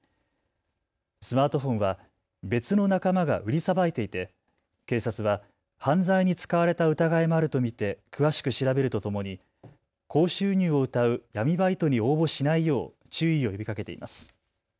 スマートフォンは別の仲間が売りさばいていて警察は犯罪に使われた疑いもあると見て詳しく調べるとともに高収入をうたう闇バイトに応募しないよう注意を呼びかけています。